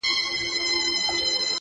هغه وای نه چي څوم چي ويني سجده نه کوي’